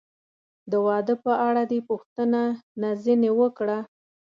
د واده په اړه دې پوښتنه نه ځنې وکړه؟